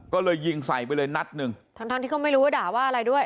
ก็เลยยิงใส่ไปเลยนัดหนึ่งทั้งทั้งที่ก็ไม่รู้ว่าด่าว่าอะไรด้วย